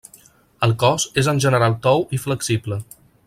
El cos és en general tou i flexible.